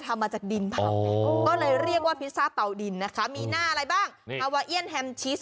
ทำมาจากดินเผาไงก็เลยเรียกว่าพิซซ่าเตาดินนะคะมีหน้าอะไรบ้างอาวาเอียนแฮมชิส